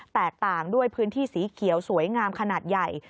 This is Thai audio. แตกต่างด้วยพื้นที่สีเขียวสวยงามขนาดใหญ่